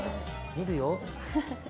見るよ。